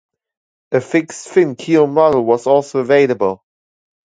A fixed fin keel model was also available.